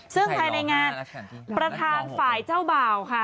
ซึ่งภายในงานประธานฝ่ายเจ้าบ่าวค่ะ